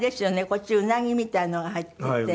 こっちウナギみたいなのが入っていて。